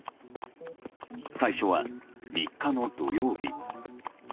最初は３日の土曜日。